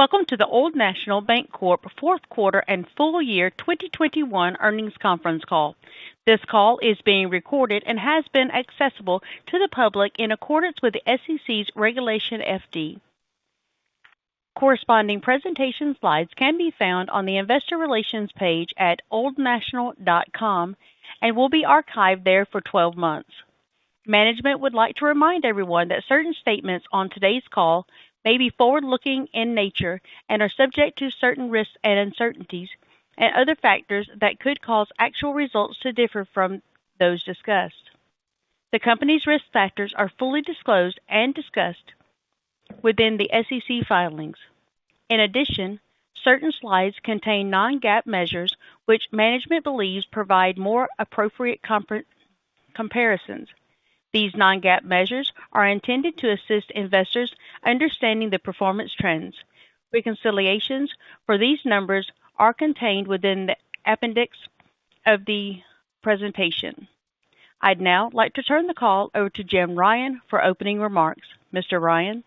Welcome to the Old National Bancorp fourth quarter and full year 2021 earnings conference call. This call is being recorded and has been accessible to the public in accordance with the SEC's Regulation FD. Corresponding presentation slides can be found on the investor relations page at oldnational.com and will be archived there for 12 months. Management would like to remind everyone that certain statements on today's call may be forward-looking in nature and are subject to certain risks and uncertainties and other factors that could cause actual results to differ from those discussed. The company's risk factors are fully disclosed and discussed within the SEC filings. In addition, certain slides contain non-GAAP measures, which management believes provide more appropriate comparisons. These non-GAAP measures are intended to assist investors understanding the performance trends. Reconciliations for these numbers are contained within the appendix of the presentation. I'd now like to turn the call over to James C. Ryan III for opening remarks. Mr. Ryan.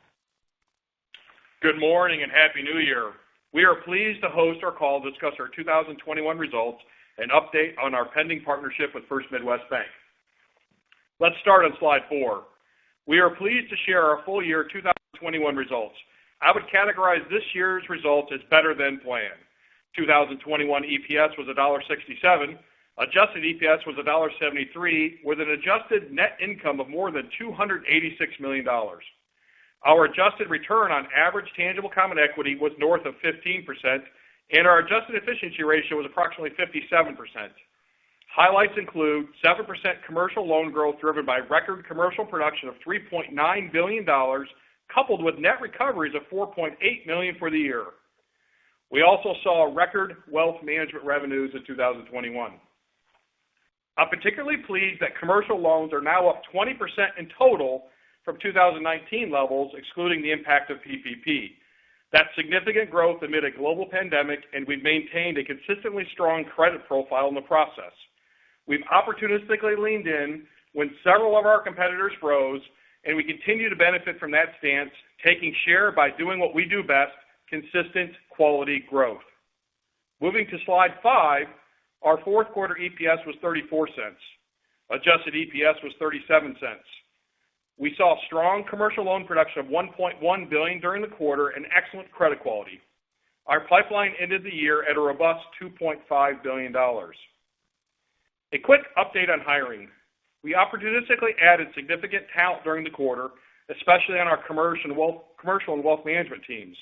Good morning and happy New Year. We are pleased to host our call to discuss our 2021 results and update on our pending partnership with First Midwest Bancorp. Let's start on slide four. We are pleased to share our full year 2021 results. I would categorize this year's results as better than planned. 2021 EPS was $1.67. Adjusted EPS was $1.73, with an adjusted net income of more than $286 million. Our adjusted return on average tangible common equity was north of 15%, and our adjusted efficiency ratio was approximately 57%. Highlights include 7% commercial loan growth, driven by record commercial production of $3.9 billion, coupled with net recoveries of $4.8 million for the year. We also saw record wealth management revenues in 2021. I'm particularly pleased that commercial loans are now up 20% in total from 2019 levels, excluding the impact of PPP. That's significant growth amid a global pandemic, and we've maintained a consistently strong credit profile in the process. We've opportunistically leaned in when several of our competitors froze, and we continue to benefit from that stance, taking share by doing what we do best, consistent quality growth. Moving to slide five. Our fourth quarter EPS was $0.34. Adjusted EPS was $0.37. We saw strong commercial loan production of $1.1 billion during the quarter and excellent credit quality. Our pipeline ended the year at a robust $2.5 billion. A quick update on hiring. We opportunistically added significant talent during the quarter, especially on our commercial and wealth, commercial and wealth management teams.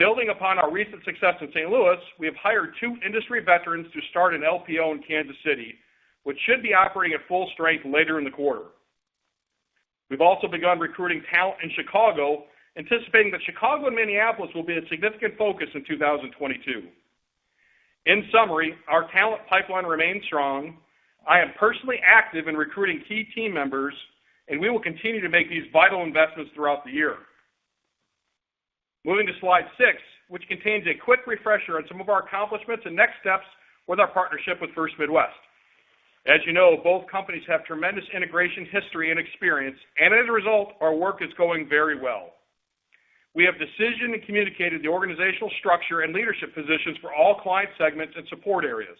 Building upon our recent success in St. Louis, we have hired two industry veterans to start an LPO in Kansas City, which should be operating at full strength later in the quarter. We've also begun recruiting talent in Chicago, anticipating that Chicago and Minneapolis will be a significant focus in 2022. In summary, our talent pipeline remains strong. I am personally active in recruiting key team members, and we will continue to make these vital investments throughout the year. Moving to slide six, which contains a quick refresher on some of our accomplishments and next steps with our partnership with First Midwest. As you know, both companies have tremendous integration history and experience. As a result, our work is going very well. We have decisioned and communicated the organizational structure and leadership positions for all client segments and support areas.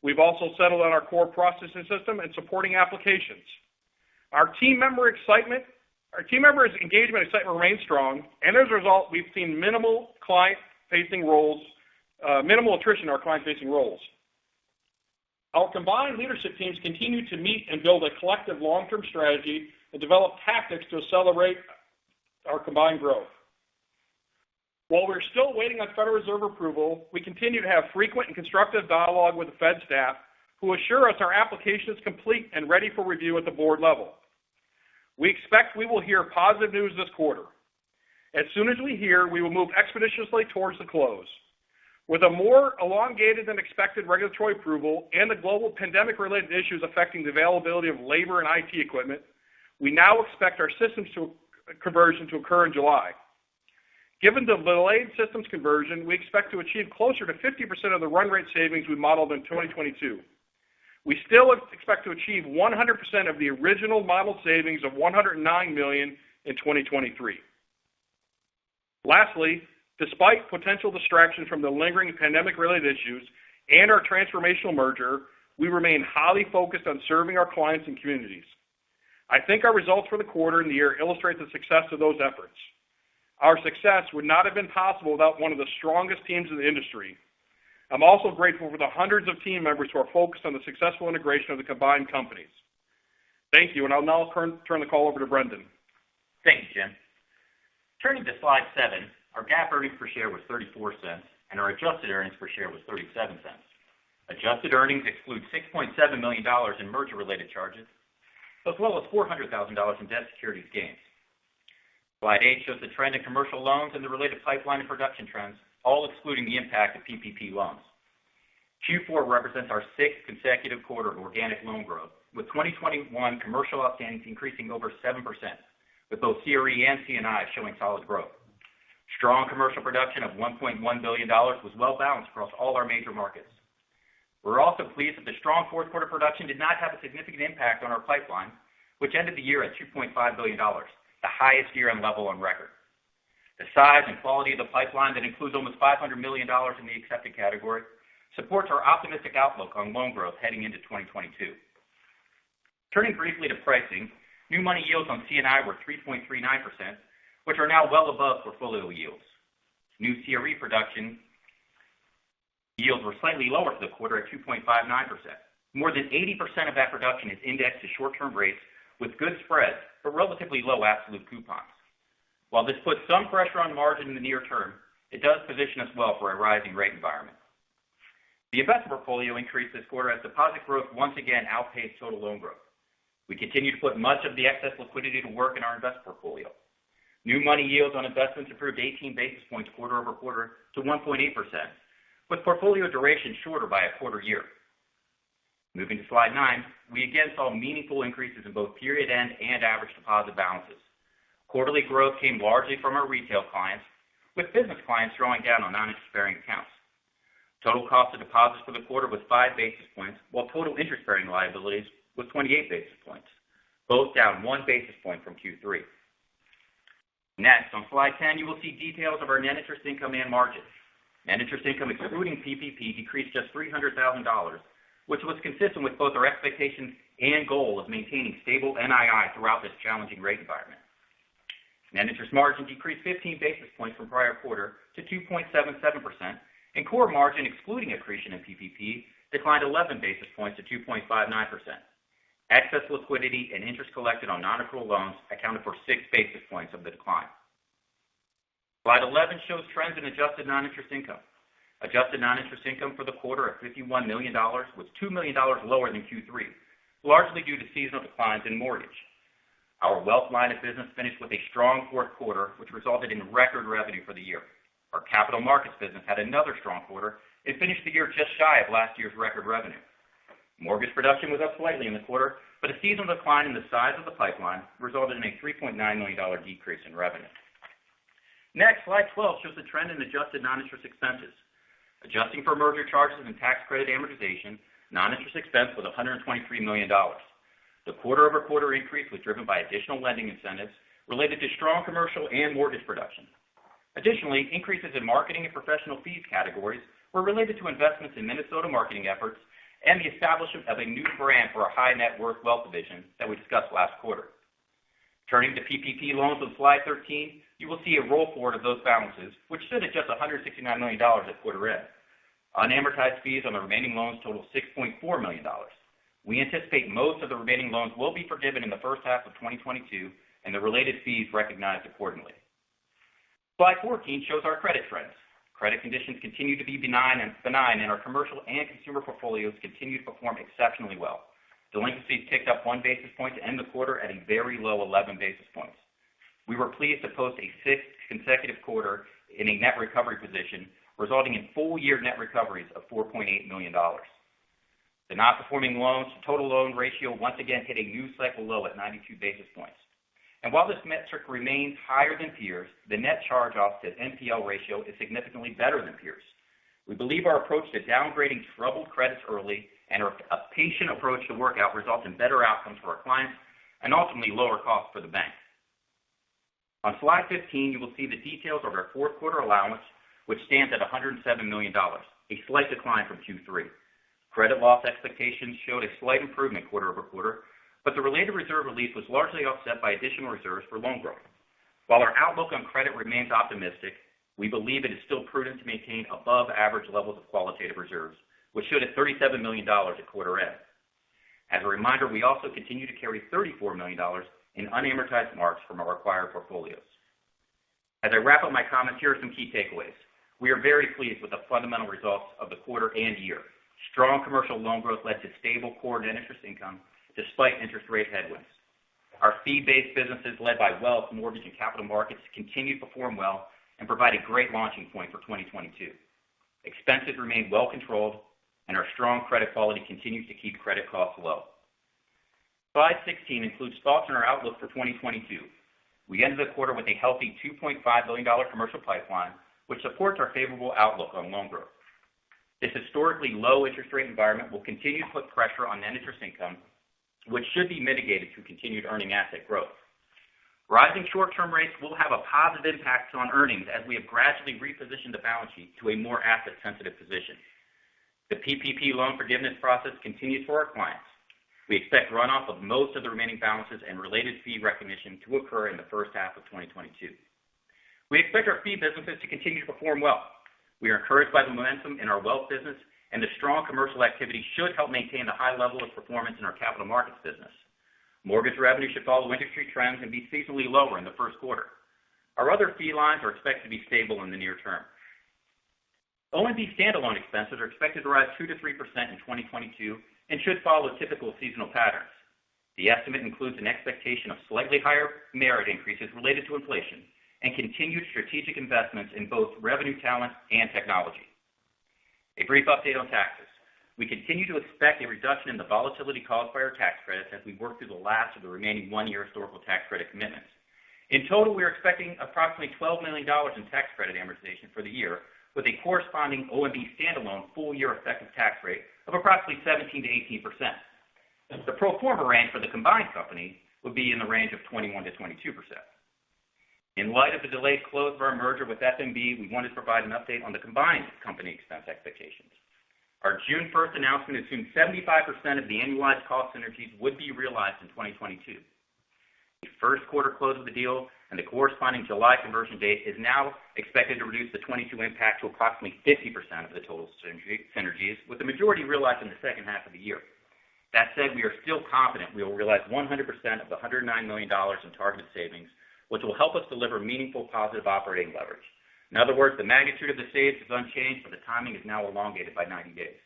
We've also settled on our core processing system and supporting applications. Our team members' engagement excitement remains strong, and as a result, we've seen minimal client-facing roles, minimal attrition in our client-facing roles. Our combined leadership teams continue to meet and build a collective long-term strategy and develop tactics to accelerate our combined growth. While we're still waiting on Federal Reserve approval, we continue to have frequent and constructive dialogue with the Fed staff, who assure us our application is complete and ready for review at the board level. We expect we will hear positive news this quarter. As soon as we hear, we will move expeditiously towards the close. With a more elongated than expected regulatory approval and the global pandemic-related issues affecting the availability of labor and IT equipment, we now expect our systems conversion to occur in July. Given the delayed systems conversion, we expect to achieve closer to 50% of the run rate savings we modeled in 2022. We still expect to achieve 100% of the original modeled savings of $109 million in 2023. Lastly, despite potential distraction from the lingering pandemic-related issues and our transformational merger, we remain highly focused on serving our clients and communities. I think our results for the quarter and the year illustrate the success of those efforts. Our success would not have been possible without one of the strongest teams in the industry. I'm also grateful for the hundreds of team members who are focused on the successful integration of the combined companies. Thank you. I'll now turn the call over to Brendan. Thanks, James. Turning to slide seven. Our GAAP earnings per share was $0.34 and our adjusted earnings per share was $0.37. Adjusted earnings exclude $6.7 million in merger-related charges, as well as $400,000 in debt securities gains. Slide eight shows the trend in commercial loans and the related pipeline and production trends, all excluding the impact of PPP loans. Q4 represents our sixth consecutive quarter of organic loan growth, with 2021 commercial outstanding increasing over 7%, with both CRE and C&I showing solid growth. Strong commercial production of $1.1 billion was well balanced across all our major markets. We're also pleased that the strong fourth quarter production did not have a significant impact on our pipeline, which ended the year at $2.5 billion, the highest year-end level on record. The size and quality of the pipeline that includes almost $500 million in the accepted category supports our optimistic outlook on loan growth heading into 2022. Turning briefly to pricing, new money yields on C&I were 3.39%, which are now well above portfolio yields. New CRE production yields were slightly lower for the quarter at 2.59%. More than 80% of that production is indexed to short-term rates with good spreads but relatively low absolute coupons. While this puts some pressure on margin in the near term, it does position us well for a rising rate environment. The investment portfolio increased this quarter as deposit growth once again outpaced total loan growth. We continue to put much of the excess liquidity to work in our investment portfolio. New money yields on investments improved 18 basis points quarter over quarter to 1.8%, with portfolio duration shorter by a quarter year. Moving to slide nine, we again saw meaningful increases in both period-end and average deposit balances. Quarterly growth came largely from our retail clients, with business clients drawing down on non-interest-bearing accounts. Total cost of deposits for the quarter was 5 basis points, while total interest-bearing liabilities was 28 basis points, both down 1 basis point from Q3. Next, on slide 10, you will see details of our net interest income and margins. Net interest income excluding PPP decreased just $300,000, which was consistent with both our expectations and goal of maintaining stable NII throughout this challenging rate environment. Net interest margin decreased 15 basis points from prior quarter to 2.77%, and core margin excluding accretion and PPP declined 11 basis points to 2.59%. Excess liquidity and interest collected on non-accrual loans accounted for 6 basis points of the decline. Slide 11 shows trends in adjusted non-interest income. Adjusted non-interest income for the quarter at $51 million was $2 million lower than Q3, largely due to seasonal declines in mortgage. Our wealth line of business finished with a strong fourth quarter, which resulted in record revenue for the year. Our capital markets business had another strong quarter and finished the year just shy of last year's record revenue. Mortgage production was up slightly in the quarter, but a seasonal decline in the size of the pipeline resulted in a $3.9 million decrease in revenue. Next, slide 12 shows the trend in adjusted non-interest expenses. Adjusting for merger charges and tax credit amortization, non-interest expense was $123 million. The quarter-over-quarter increase was driven by additional lending incentives related to strong commercial and mortgage production. Additionally, increases in marketing and professional fees categories were related to investments in Minnesota marketing efforts and the establishment of a new brand for our high net worth wealth division that we discussed last quarter. Turning to PPP loans on slide 13, you will see a roll forward of those balances, which stood at just $169 million at quarter end. Unamortized fees on the remaining loans total $6.4 million. We anticipate most of the remaining loans will be forgiven in the first half of 2022 and the related fees recognized accordingly. Slide 14 shows our credit trends. Credit conditions continue to be benign and our commercial and consumer portfolios continue to perform exceptionally well. Delinquencies ticked up 1 basis point to end the quarter at a very low 11 basis points. We were pleased to post a sixth consecutive quarter in a net recovery position, resulting in full-year net recoveries of $4.8 million. The non-performing loans to total loan ratio once again hit a new cycle low at 92 basis points. While this metric remains higher than peers, the net charge-offs to NPL ratio is significantly better than peers. We believe our approach to downgrading troubled credits early and a patient approach to workout results in better outcomes for our clients and ultimately lower costs for the bank. On slide 15, you will see the details of our fourth quarter allowance, which stands at $107 million, a slight decline from Q3. Credit loss expectations showed a slight improvement quarter over quarter, but the related reserve release was largely offset by additional reserves for loan growth. While our outlook on credit remains optimistic, we believe it is still prudent to maintain above average levels of qualitative reserves, which stood at $37 million at quarter end. As a reminder, we also continue to carry $34 million in unamortized marks from our acquired portfolios. As I wrap up my comments, here are some key takeaways. We are very pleased with the fundamental results of the quarter and year. Strong commercial loan growth led to stable core net interest income despite interest rate headwinds. Our fee-based businesses led by wealth, mortgage, and capital markets continue to perform well and provide a great launching point for 2022. Expenses remain well controlled, and our strong credit quality continues to keep credit costs low. Slide 16 includes thoughts on our outlook for 2022. We ended the quarter with a healthy $2.5 billion commercial pipeline, which supports our favorable outlook on loan growth. This historically low interest rate environment will continue to put pressure on net interest income, which should be mitigated through continued earning asset growth. Rising short-term rates will have a positive impact on earnings as we have gradually repositioned the balance sheet to a more asset-sensitive position. The PPP loan forgiveness process continues for our clients. We expect runoff of most of the remaining balances and related fee recognition to occur in the first half of 2022. We expect our fee businesses to continue to perform well. We are encouraged by the momentum in our wealth business, and the strong commercial activity should help maintain the high level of performance in our capital markets business. Mortgage revenue should follow industry trends and be seasonally lower in the first quarter. Our other fee lines are expected to be stable in the near term. ONB standalone expenses are expected to rise 2%-3% in 2022 and should follow typical seasonal patterns. The estimate includes an expectation of slightly higher merit increases related to inflation and continued strategic investments in both revenue talent and technology. A brief update on taxes. We continue to expect a reduction in the volatility caused by our tax credits as we work through the last of the remaining one-year historical tax credit commitments. In total, we are expecting approximately $12 million in tax credit amortization for the year, with a corresponding ONB standalone full-year effective tax rate of approximately 17%-18%. The pro forma range for the combined company would be in the range of 21%-22%. In light of the delayed close for our merger with FNB, we want to provide an update on the combined company expense expectations. Our June 1 announcement assumed 75% of the annualized cost synergies would be realized in 2022. The first quarter close of the deal and the corresponding July conversion date is now expected to reduce the 22 impact to approximately 50% of the total synergies, with the majority realized in the second half of the year. That said, we are still confident we will realize 100% of the $109 million in targeted savings, which will help us deliver meaningful positive operating leverage. In other words, the magnitude of the saves is unchanged, but the timing is now elongated by 90 days.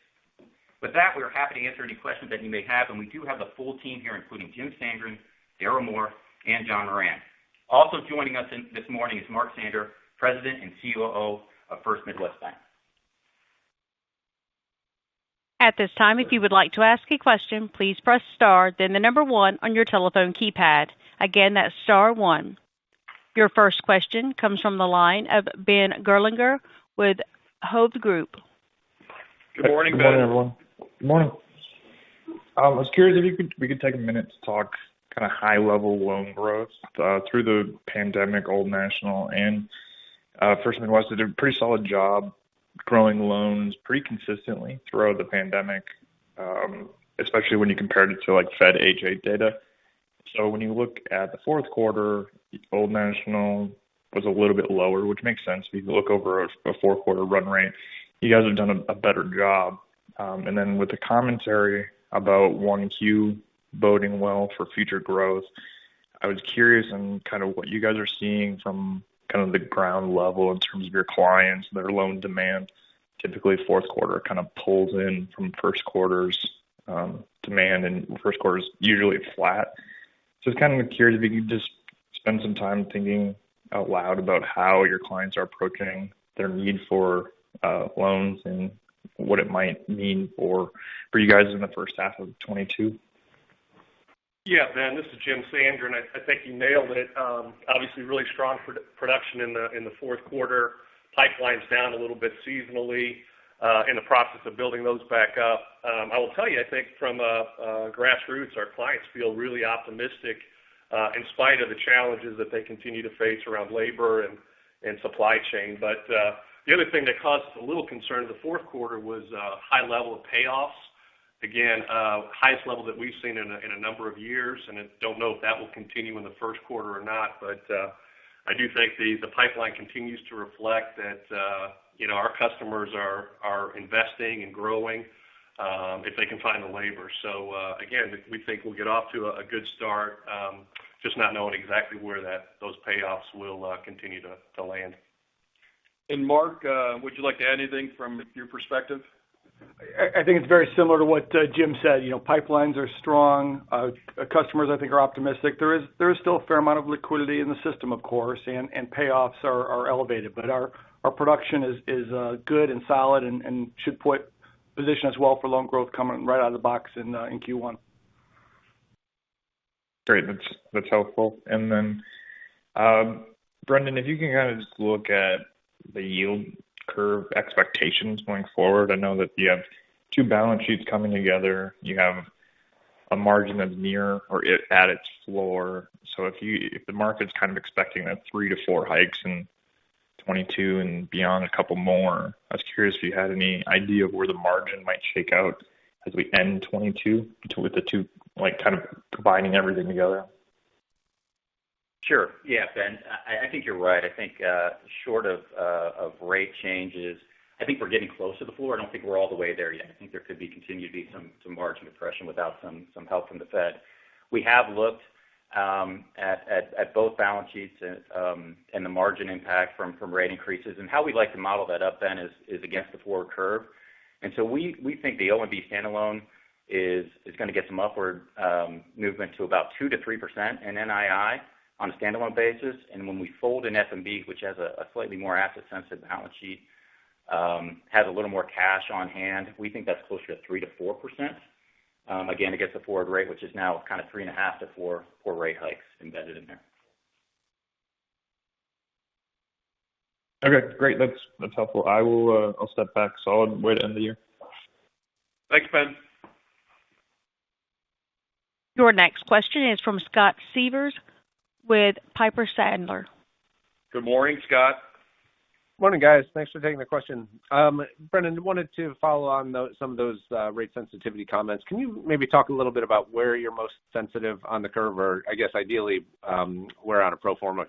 With that, we are happy to answer any questions that you may have, and we do have the full team here, including James A. Sandgren, Daryl D. Moore, and John Moran. Also joining us this morning is Mark G. Sander, President and COO of First Midwest Bank. Your first question comes from the line of Benjamin Gerlinger with Hovde Group. Good morning, Ben. Good morning, everyone. Good morning. I was curious if we could take a minute to talk kind of high level loan growth through the pandemic. Old National and First Midwest did a pretty solid job growing loans pretty consistently throughout the pandemic, especially when you compared it to like Fed H.8 data. When you look at the fourth quarter, Old National was a little bit lower, which makes sense. If you look over a fourth quarter run rate, you guys have done a better job. And then with the commentary about 1Q boding well for future growth, I was curious on kind of what you guys are seeing from kind of the ground level in terms of your clients, their loan demand. Typically, fourth quarter kind of pulls in from first quarter's demand, and first quarter is usually flat. I was kind of curious if you could just spend some time thinking out loud about how your clients are approaching their need for loans and what it might mean for you guys in the first half of 2022. Yeah. Ben, this is James A. Sandgren. I think you nailed it. Obviously really strong production in the fourth quarter. Pipeline's down a little bit seasonally, in the process of building those back up. I will tell you, I think from a grassroots, our clients feel really optimistic, in spite of the challenges that they continue to face around labor and supply chain. The other thing that caused a little concern in the fourth quarter was a high level of payoffs. Again, highest level that we've seen in a number of years, and I don't know if that will continue in the first quarter or not. I do think the pipeline continues to reflect that, you know, our customers are investing and growing, if they can find the labor. again, we think we'll get off to a good start, just not knowing exactly where those payoffs will continue to land. Mark, would you like to add anything from your perspective? I think it's very similar to what James said. You know, pipelines are strong. Our customers, I think are optimistic. There is still a fair amount of liquidity in the system, of course, and payoffs are elevated. But our production is good and solid and should position us well for loan growth coming right out of the box in Q1. Great. That's helpful. Brendan, if you can kind of just look at the yield curve expectations going forward. I know that you have two balance sheets coming together. You have a margin that's near or at its floor. If the market's kind of expecting three to four hikes in 2022 and beyond a couple more, I was curious if you had any idea of where the margin might shake out as we end 2022 with the two like, kind of combining everything together. Sure. Yeah, Benjamin, I think you're right. I think short of rate changes, I think we're getting close to the floor. I don't think we're all the way there yet. I think there could be some margin depression without some help from the Fed. We have looked at both balance sheets and the margin impact from rate increases. How we like to model that up then is against the forward curve. We think the ONB standalone is gonna get some upward movement to about 2%-3% in NII on a standalone basis. When we fold in FNB, which has a slightly more asset sensitive balance sheet, has a little more cash on hand, we think that's closer to 3%-4%, again, against the forward rate, which is now kind of 3.5-4 four rate hikes embedded in there. Okay, great. That's helpful. I will, I'll step back. Solid way to end the year. Thanks, Benjamin. Your next question is from Robert Scott Siefers with Piper Sandler. Good morning, Scott. Morning, guys. Thanks for taking the question. Brendan, wanted to follow on those rate sensitivity comments. Can you maybe talk a little bit about where you're most sensitive on the curve or I guess ideally, where on a pro forma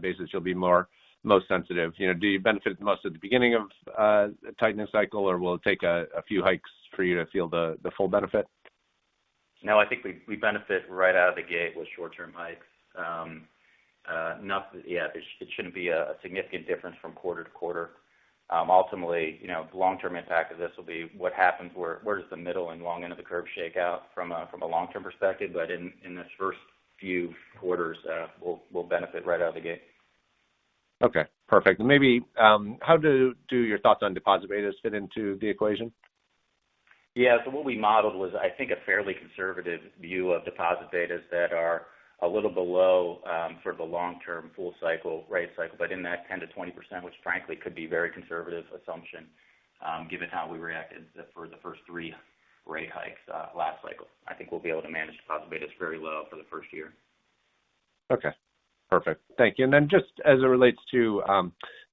basis you'll be most sensitive? You know, do you benefit the most at the beginning of the tightening cycle, or will it take a few hikes for you to feel the full benefit? No, I think we benefit right out of the gate with short-term hikes. Not that yet. It shouldn't be a significant difference from quarter to quarter. Ultimately, you know, the long-term impact of this will be what happens where the middle and long end of the curve shake out from a long-term perspective. In this first few quarters, we'll benefit right out of the gate. Okay, perfect. Maybe, how do your thoughts on deposit betas fit into the equation? Yeah. What we modeled was, I think, a fairly conservative view of deposit betas that are a little below sort of the long-term full cycle rate cycle. In that 10%-20%, which frankly could be very conservative assumption, given how we reacted for the first three rate hikes last cycle. I think we'll be able to manage deposit betas very low for the first year. Okay. Perfect. Thank you. Then just as it relates to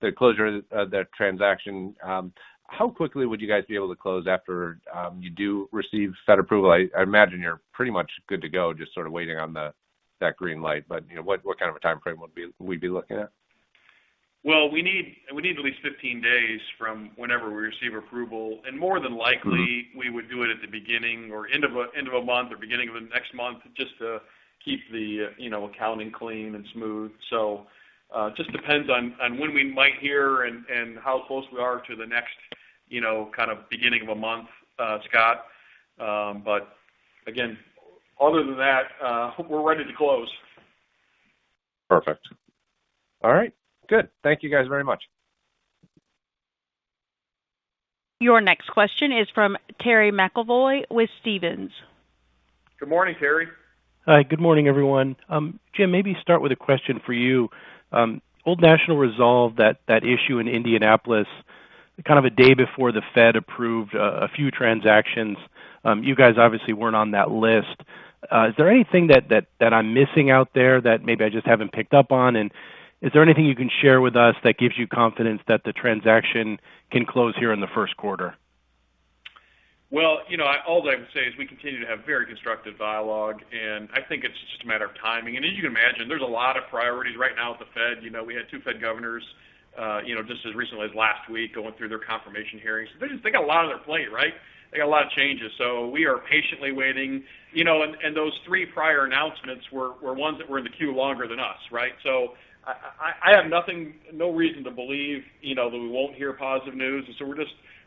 the closure of that transaction, how quickly would you guys be able to close after you do receive Fed approval? I imagine you're pretty much good to go, just sort of waiting on that green light. You know, what kind of a timeframe would we be looking at? Well, we need at least 15 days from whenever we receive approval. More than likely, we would do it at the beginning or end of a month or beginning of the next month just to keep the you know accounting clean and smooth. It just depends on when we might hear and how close we are to the next you know kind of beginning of a month, Scott. Again, other than that, we're ready to close. Perfect. All right, good. Thank you guys very much. Your next question is from Terence James McEvoy with Stephens. Good morning, Terence. Hi, good morning, everyone. James, maybe start with a question for you. Old National resolved that issue in Indianapolis kind of a day before the Fed approved a few transactions. You guys obviously weren't on that list. Is there anything that I'm missing out there that maybe I just haven't picked up on? Is there anything you can share with us that gives you confidence that the transaction can close here in the first quarter? Well, you know, all I would say is we continue to have very constructive dialogue, and I think it's just a matter of timing. As you can imagine, there's a lot of priorities right now at the Fed. You know, we had two Fed governors, you know, just as recently as last week going through their confirmation hearings. They got a lot on their plate, right? They got a lot of changes. We are patiently waiting. You know, and those three prior announcements were ones that were in the queue longer than us, right? I have nothing, no reason to believe, you know, that we won't hear positive news.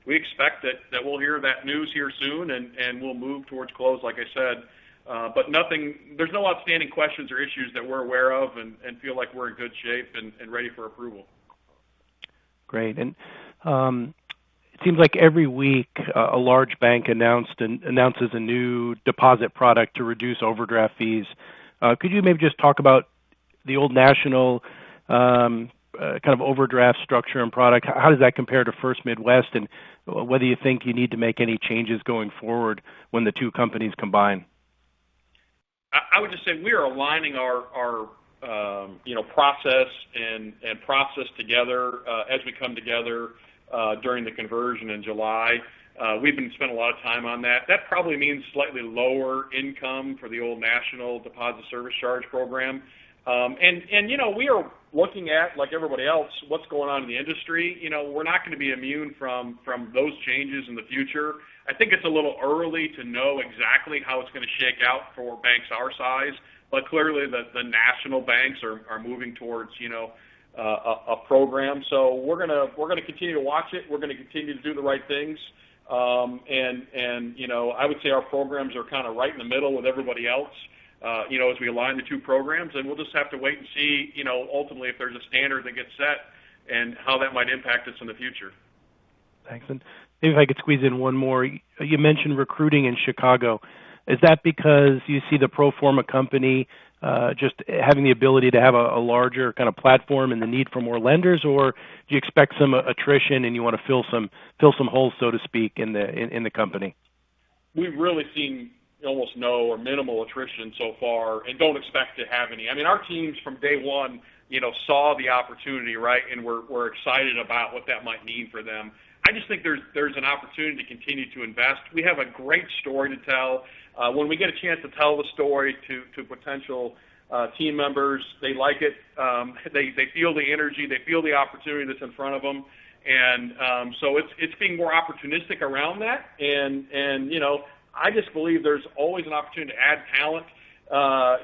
We expect that we'll hear that news here soon and we'll move towards close, like I said. There's no outstanding questions or issues that we're aware of and feel like we're in good shape and ready for approval. Great. It seems like every week a large bank announces a new deposit product to reduce overdraft fees. Could you maybe just talk about the Old National kind of overdraft structure and product? How does that compare to First Midwest, and whether you think you need to make any changes going forward when the two companies combine? I would just say we are aligning our you know process and process together as we come together during the conversion in July. We've been spending a lot of time on that. That probably means slightly lower income for the Old National deposit service charge program. You know we are looking at like everybody else what's going on in the industry. You know, we're not gonna be immune from those changes in the future. I think it's a little early to know exactly how it's gonna shake out for banks our size. Clearly the national banks are moving towards you know a program. We're gonna continue to watch it. We're gonna continue to do the right things. You know, I would say our programs are kind of right in the middle with everybody else, you know, as we align the two programs. We'll just have to wait and see, you know, ultimately if there's a standard that gets set and how that might impact us in the future. Thanks. Maybe if I could squeeze in one more. You mentioned recruiting in Chicago. Is that because you see the pro forma company just having the ability to have a larger kind of platform and the need for more lenders? Or do you expect some attrition and you want to fill some holes, so to speak, in the company? We've really seen almost no or minimal attrition so far and don't expect to have any. I mean, our teams from day one, you know, saw the opportunity, right, and were excited about what that might mean for them. I just think there's an opportunity to continue to invest. We have a great story to tell. When we get a chance to tell the story to potential team members, they like it. They feel the energy, they feel the opportunity that's in front of them. It's being more opportunistic around that. You know, I just believe there's always an opportunity to add talent.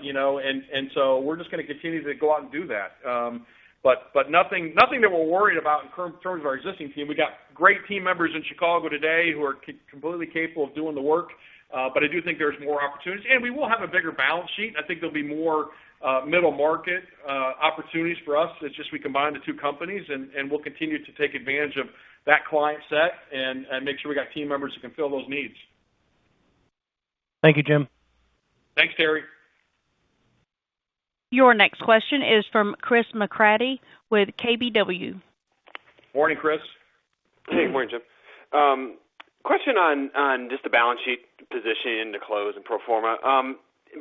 You know, and so we're just gonna continue to go out and do that. Nothing that we're worried about in terms of our existing team. We got great team members in Chicago today who are completely capable of doing the work. I do think there's more opportunities. We will have a bigger balance sheet, and I think there'll be more, middle market, opportunities for us as just we combine the two companies. We'll continue to take advantage of that client set and make sure we got team members who can fill those needs. Thank you, James. Thanks, Terence. Your next question is from Christopher McGratty with KBW. Morning, Christopher. Hey. Morning, James. Question on just the balance sheet position to close and pro forma.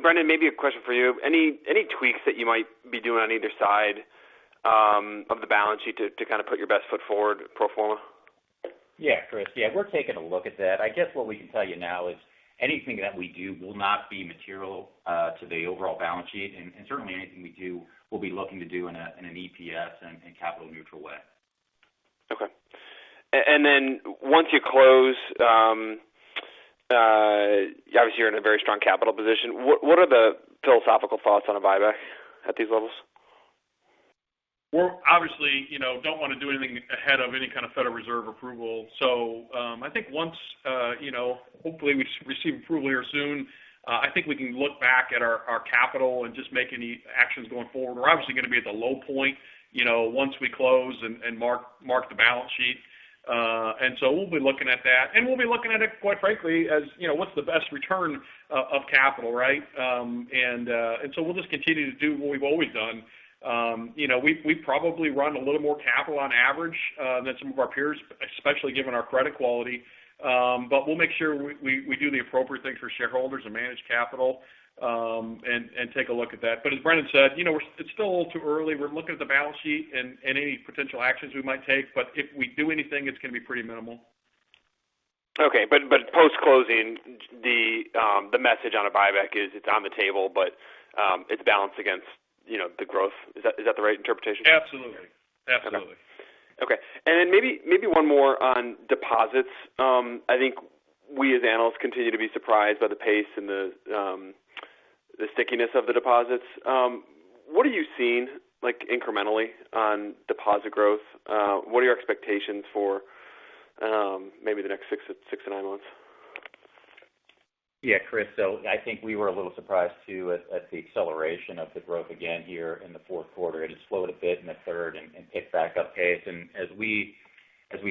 Brendan, maybe a question for you. Any tweaks that you might be doing on either side of the balance sheet to kind of put your best foot forward pro forma? Yeah, Chris. Yeah, we're taking a look at that. I guess what we can tell you now is anything that we do will not be material to the overall balance sheet. Certainly anything we do, we'll be looking to do in an EPS and capital neutral way. Okay. Once you close, obviously you're in a very strong capital position. What are the philosophical thoughts on a buyback at these levels? We're obviously, you know, don't want to do anything ahead of any kind of Federal Reserve approval. I think once, you know, hopefully we receive approval here soon, I think we can look back at our capital and just make any actions going forward. We're obviously going to be at the low point, you know, once we close and mark the balance sheet. We'll be looking at that, and we'll be looking at it, quite frankly, as, you know, what's the best return of capital, right? We'll just continue to do what we've always done. You know, we probably run a little more capital on average than some of our peers, especially given our credit quality. We'll make sure we do the appropriate thing for shareholders and manage capital, and take a look at that. As Brendan said, you know, it's still a little too early. We're looking at the balance sheet and any potential actions we might take, but if we do anything, it's gonna be pretty minimal. Post-closing the message on a buyback is it's on the table, but it's balanced against, you know, the growth. Is that the right interpretation? Absolutely. Absolutely. Okay. Then maybe one more on deposits. I think we, as analysts, continue to be surprised by the pace and the stickiness of the deposits. What are you seeing, like, incrementally on deposit growth? What are your expectations for maybe the next six to nine months? Yeah, Christopher. I think we were a little surprised, too, at the acceleration of the growth again here in the fourth quarter. It had slowed a bit in the third and picked back up pace. As we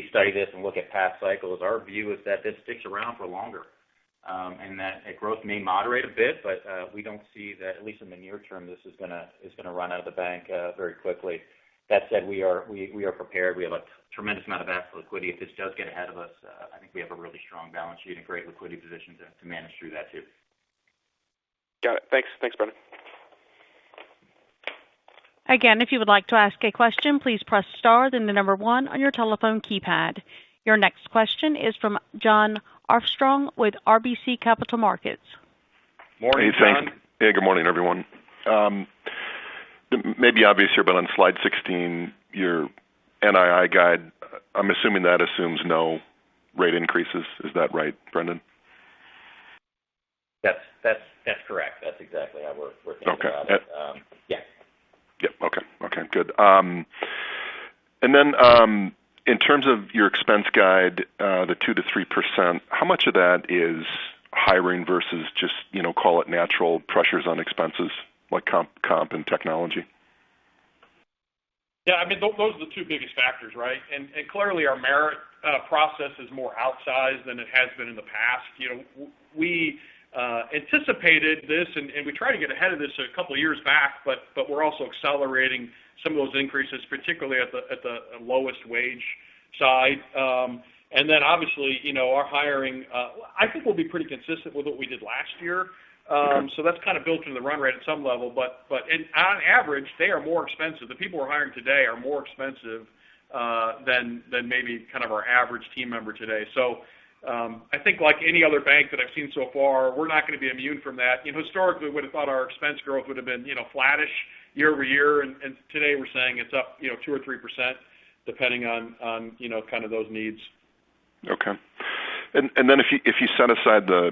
study this and look at past cycles, our view is that this sticks around for longer, and that growth may moderate a bit, but we don't see that, at least in the near term, this is gonna run out of the bank very quickly. That said, we are prepared. We have a tremendous amount of absolute liquidity. If this does get ahead of us, I think we have a really strong balance sheet and a great liquidity position to manage through that too. Got it. Thanks. Thanks, Brendan. Your next question is from Jon Glenn Arfstrom with RBC Capital Markets. Morning, Jon. Hey, good morning, everyone. It may be obvious here, but on slide 16, your NII guide, I'm assuming that assumes no rate increases. Is that right, Brendan? That's correct. That's exactly how we're thinking about it. Okay. Yeah. Yeah. Okay. Okay, good. In terms of your expense guide, the 2%-3%, how much of that is hiring versus just, you know, call it natural pressures on expenses like comp and technology? Yeah, I mean, those are the two biggest factors, right? Clearly our merit process is more outsized than it has been in the past. You know, we anticipated this and we tried to get ahead of this a couple years back, but we're also accelerating some of those increases, particularly at the lowest wage side. Obviously, you know, our hiring, I think we'll be pretty consistent with what we did last year. So that's kind of built into the run rate at some level. On average, they are more expensive. The people we're hiring today are more expensive than maybe kind of our average team member today. So, I think like any other bank that I've seen so far, we're not gonna be immune from that. You know, historically, we would have thought our expense growth would have been, you know, flattish year-over-year. Today we're saying it's up, you know, 2% or 3% depending on, you know, kind of those needs. If you set aside the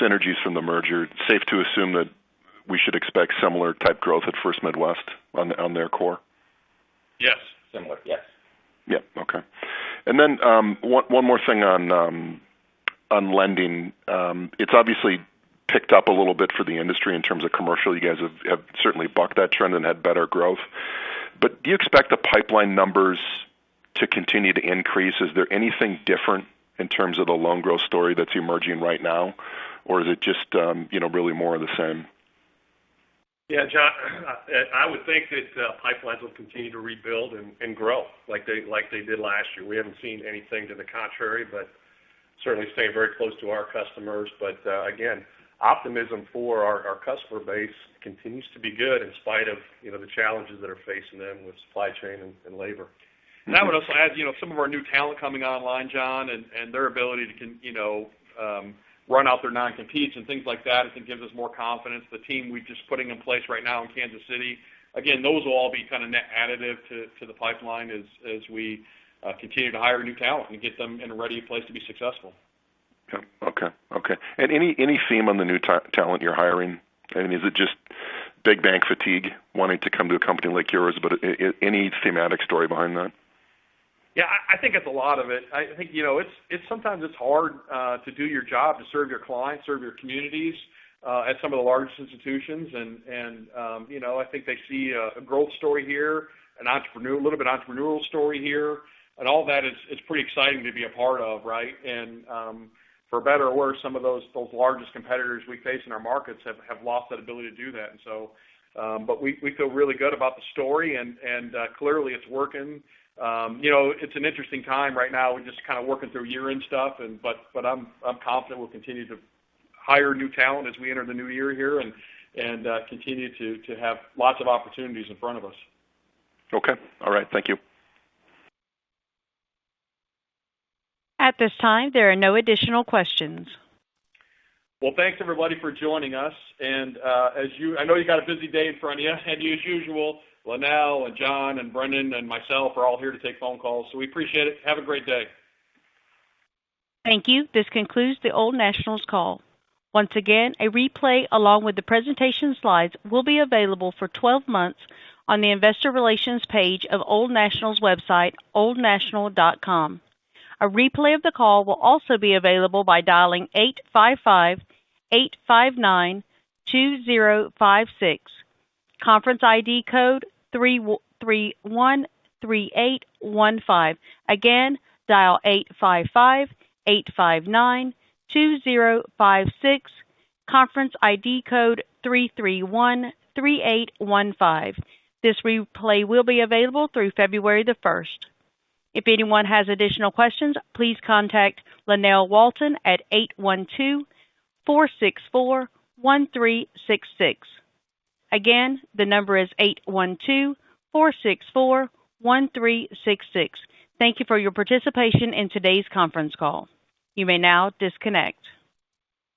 synergies from the merger, safe to assume that we should expect similar type growth at First Midwest on their core? Yes. Similar. Yes. Yeah. Okay. One more thing on lending. It's obviously picked up a little bit for the industry in terms of commercial. You guys have certainly bucked that trend and had better growth. Do you expect the pipeline numbers to continue to increase? Is there anything different in terms of the loan growth story that's emerging right now? Is it just, you know, really more of the same? Yeah, Jon, I would think that pipelines will continue to rebuild and grow like they did last year. We haven't seen anything to the contrary, but certainly staying very close to our customers. Again, optimism for our customer base continues to be good in spite of, you know, the challenges that are facing them with supply chain and labor. I would also add, you know, some of our new talent coming online, Jon, and their ability to you know, run out their non-competes and things like that. I think gives us more confidence. The team we're just putting in place right now in Kansas City, again, those will all be kind of net additive to the pipeline as we continue to hire new talent and get them in a ready place to be successful. Okay. Any theme on the new talent you're hiring? I mean, is it just big bank fatigue wanting to come to a company like yours, but any thematic story behind that? Yeah, I think it's a lot of it. I think, you know, it's sometimes it's hard to do your job, to serve your clients, serve your communities at some of the largest institutions. You know, I think they see a growth story here, a little bit entrepreneurial story here. All that is pretty exciting to be a part of, right? For better or worse, some of those largest competitors we face in our markets have lost that ability to do that. We feel really good about the story and clearly it's working. You know, it's an interesting time right now. We're just kind of working through year-end stuff and but I'm confident we'll continue to hire new talent as we enter the new year here and continue to have lots of opportunities in front of us. Okay. All right. Thank you. At this time, there are no additional questions. Well, thanks everybody for joining us. I know you got a busy day in front of you. As usual, Lynelle, and John, and Brendan, and myself are all here to take phone calls. We appreciate it. Have a great day. Thank you. This concludes the Old National's call. Once again, a replay along with the presentation slides will be available for 12 months on the investor relations page of Old National's website, oldnational.com. A replay of the call will also be available by dialing 855-859-2056. Conference ID code 313815. Again, dial 855-859-2056. Conference ID code 313815. This replay will be available through February the first. If anyone has additional questions, please contact Lynell Walton at 812-464-1366. Again, the number is 812-464-1366. Thank you for your participation in today's conference call. You may now disconnect.